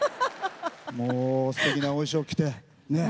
もう、すてきなお衣装、着て。